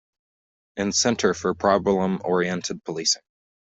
In Center for Problem-Oriented Policing.